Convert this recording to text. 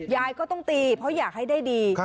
ยายก็ต้องตีเพราะอยากให้ได้ดี